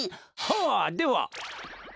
はあでは。